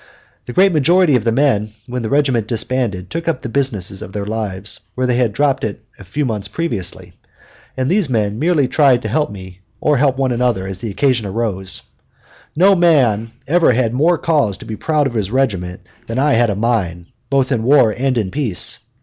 The great majority of the men when the regiment disbanded took up the business of their lives where they had dropped it a few months previously, and these men merely tried to help me or help one another as the occasion arose; no man ever had more cause to be proud of his regiment than I had of mine, both in war and in peace.